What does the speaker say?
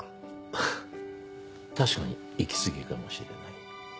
フッ確かに行き過ぎかもしれない。